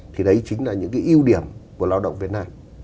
thì đấy chính là những cái ưu điểm của lao động việt nam